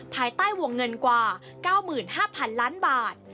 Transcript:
ภายใต้วงเงินกว่า๙๕๐๐๐ล้านบาท